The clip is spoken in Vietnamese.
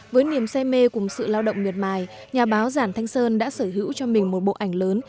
với niềm say mê cùng sự lao động miệt mài nhà báo giản thanh sơn đã sở hữu cho mình một bộ ảnh lớn